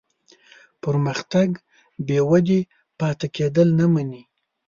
پرمختګ بېودې پاتې کېدل نه مني.